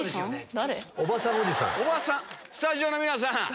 スタジオの皆さん